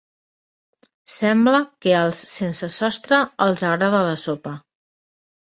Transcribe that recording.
Sembla que als sense sostre els agrada la sopa.